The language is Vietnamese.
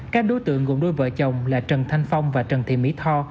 các đối tượng gồm đôi vợ chồng là trần thanh phong và trần thị mỹ tho